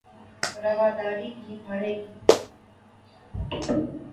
رواداری بھی بڑھے گی